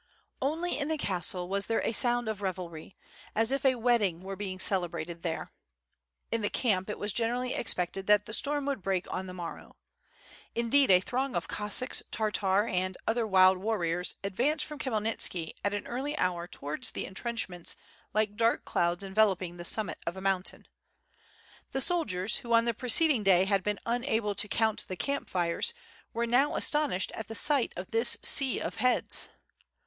Only in the castle was there a sound of revelry, as if a wedding were being celebrated there. In the camp it was generally expected that the storm would break on the mor row. Indeed, a throng of Cossacks, Tartars, and other wild warriors advanced from Khmyelnitski at an early hour to wards the entrenchments like dark clouds enveloping the summit of a mountain. The soldiers who on the preceding day had been unable to count the camp fires were now aston ished at the sight of this sea of heads.